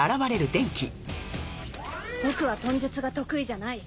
僕は術が得意じゃない。